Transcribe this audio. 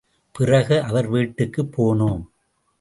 பிறகு அவர் வீட்டுக்குப் போனோம்.